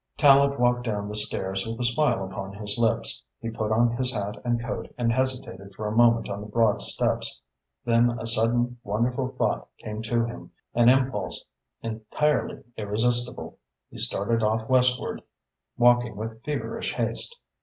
Tallente walked down the stairs with a smile upon his lips. He put on his hat and coat and hesitated for a moment on the broad steps. Then a sudden wonderful thought came to him, an impulse entirely irresistible. He started off westward, walking with feverish haste.